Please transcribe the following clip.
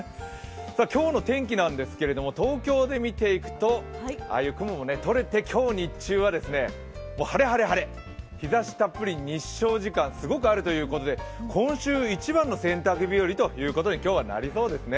今日の天気なんですけれども、東京で見ていくと、ああいう雲もとれて、今日日中は晴れ晴れ晴れ、日ざしたっぷり、日照時間すごくあるということで今週一番の洗濯日和ということに今日はなりそうですね。